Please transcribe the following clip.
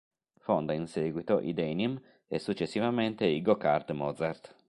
Fonda in seguito i Denim e successivamente i Go Kart Mozart.